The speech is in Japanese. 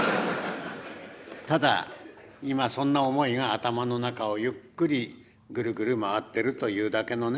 ただ今そんな思いが頭の中をゆっくりぐるぐる回ってるというだけのね。